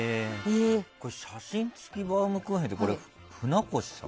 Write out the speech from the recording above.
写真付きバウムクーヘンって船越さん？